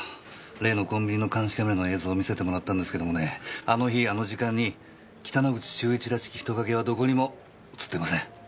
例のコンビニの監視カメラの映像を見せてもらったんですけどもねあの日あの時間に北之口秀一らしき人影はどこにも映ってません。